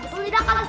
tuh lidah kalian